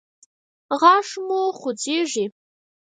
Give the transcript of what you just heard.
غاښ مو خوځیږي؟